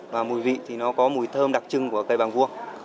và mùi vị thì nó có mùi thơm đặc trưng của cây bàng vuông